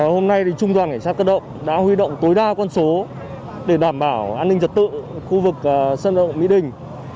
hôm nay trung đoàn nghệ sát cất động đã huy động tối đa con số để đảm bảo an ninh trật tự khu vực sân vận động mỹ đình